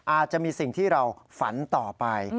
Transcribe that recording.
อาจจะมีสิ่งที่เราฝันต่อไป